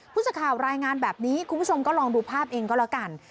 ผู้สื่อข่าวรายงานแบบนี้คุณผู้ชมก็ลองดูภาพเองก็แล้วกัน